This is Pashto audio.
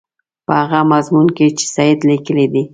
په هغه مضمون کې چې سید لیکلی دی.